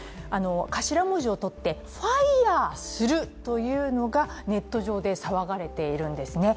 頭文字を取って、ＦＩＲＥするというのがネット上で騒がれているんです。